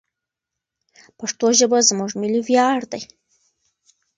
پښتو ژبه زموږ ملي ویاړ دی.